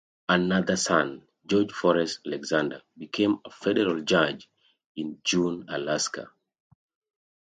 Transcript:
Another son, George Forrest Alexander, became a federal judge in Juneau, Alaska.